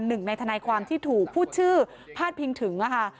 หนึ่งในทนายความที่ถูกพูดชื่อพาดพิงถึงค่ะ